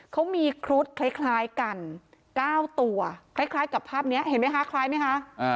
เขามีครุฑคล้ายกัน๙ตัวคล้ายกับภาพนี้เห็นไหมคะคล้ายไหมคะ